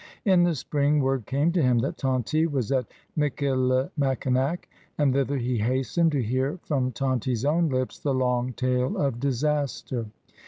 In the spring word came to him that Tonty was at Michilimackinac, and thither he hastened, to hear from Tonty's own lips the long tale of disaster.